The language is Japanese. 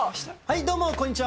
どうも、こんにちは。